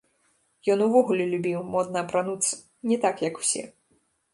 Ён увогуле любіў модна апрануцца, не так, як усе.